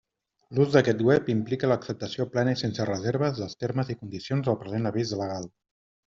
L'ús d'aquest web implica l'acceptació plena i sense reserves dels termes i condicions del present avís legal.